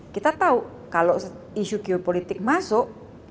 kita tahu kalau isu geopolitik masuk